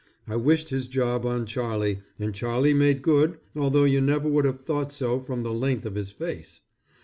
I wished his job on Charlie, and Charlie made good although you never would have thought so from the length of his face.